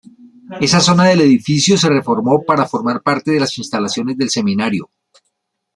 Esa zona del edificio se reformó para formar parte de las instalaciones del Seminario.